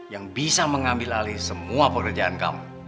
yang bisa mengambil alih semua pekerjaan kamu